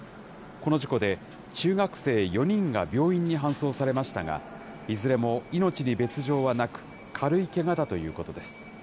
この事故で、中学生４人が病院に搬送されましたが、いずれも命に別状はなく、軽いけがだということです。